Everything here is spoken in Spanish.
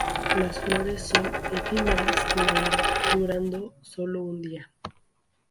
Las flores son efímeras, durando solo un día.